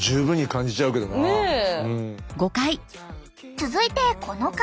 続いてこの方。